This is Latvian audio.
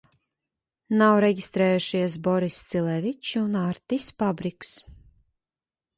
Nav reģistrējušies Boriss Cilevičs un Artis Pabriks.